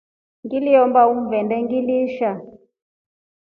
Ngiliemba umvende ngiliisha.